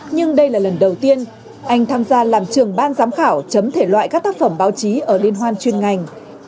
nhưng đây là lần đầu tiên anh tham gia làm trường ban giám khảo chấm thể loại các tác phẩm báo chí ở liên hoan chuyên ngành